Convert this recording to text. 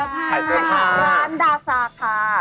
ที่ก็พี่ฟายร้านดาซาค่ะ